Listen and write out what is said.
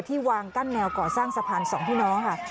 วางกั้นแนวก่อสร้างสะพานสองพี่น้องค่ะ